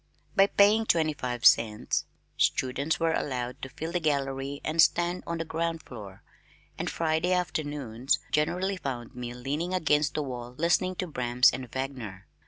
By paying twenty five cents students were allowed to fill the gallery and to stand on the ground floor, and Friday afternoons generally found me leaning against the wall listening to Brahms and Wagner.